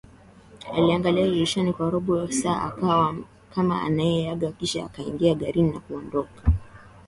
Aliangalia dirishani kwa robo saa akawa kama anayeaga kisha akaingia garini na kuondoka